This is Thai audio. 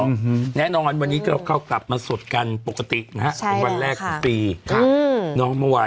แน่นอนวันนี้ก็เข้ากลับมาสวดกันปุกฏิตอนแรกปีและไม่ได้ส่งราคา